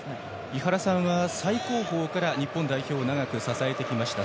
井原さんは最後方から日本代表を長く支えてきました。